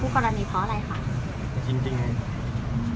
ไม่เอาความกับผู้กรณีเพราะอะไรค่ะ